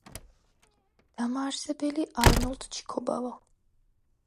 დამაარსებელი არნოლდ ჩიქობავა.